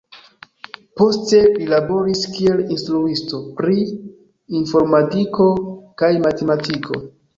Poste li laboris kiel instruisto pri informadiko kaj matematiko.